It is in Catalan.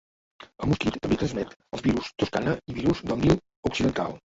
El mosquit també transmet els virus Toscana i virus del Nil Occidental.